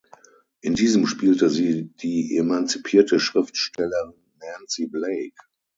In diesem spielte sie die emanzipierte Schriftstellerin "Nancy Blake".